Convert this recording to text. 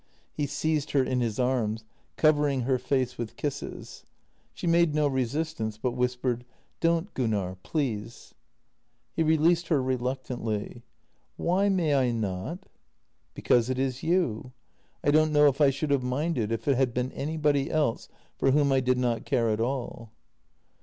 He seized her in his arms, covering her face with kisses. She made no resistance, but whispered: " Don't, Gunnar, please." He released her reluctantly: " Why may I not? "" Because it is you. I don't know if I should have minded if it had been anybody else for whom I did not care at all."